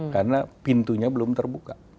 karena pintunya belum terbuka